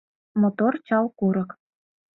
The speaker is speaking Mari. Мотор чал курык.